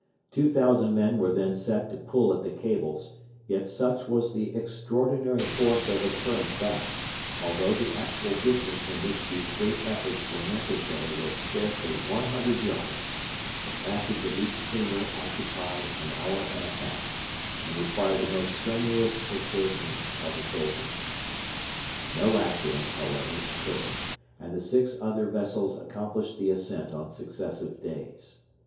Two thousand men were then set to pull at the cables, yet such was the extraordinary force of the current that, although the actual distance in which these great efforts were necessary was scarcely one hundred yards, the passage of each steamer occupied an hour and a half, and required the most strenuous exertions of the soldiers. No accident, however, occurred, and the six other vessels accomplished the ascent on successive days.